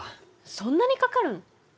そんなにかかるの？